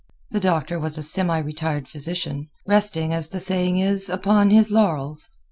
The Doctor was a semi retired physician, resting, as the saying is, upon his laurels.